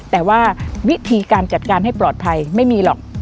แต่ว่าวิธีการจัดการให้ปลอดภัยไม่มีหรอก